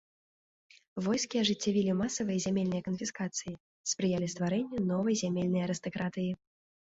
Войскі ажыццявілі масавыя зямельныя канфіскацыі, спрыялі стварэнню новай зямельнай арыстакратыі.